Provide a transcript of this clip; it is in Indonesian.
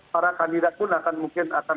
para kandidat pun akan mungkin akan